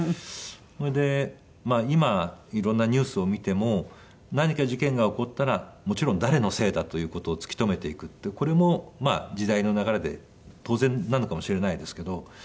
それで今色んなニュースを見ても何か事件が起こったらもちろん誰のせいだという事を突き止めていくってこれもまあ時代の流れで当然なのかもしれないですけど。